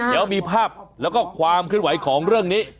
เดี๋ยวมีภาพแล้วก็ความเคลื่อนไหวของเรื่องนี้